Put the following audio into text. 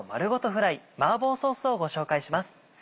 フライ麻婆ソース」をご紹介します。